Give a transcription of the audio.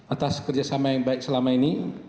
atas kerjasama yang baik selama ini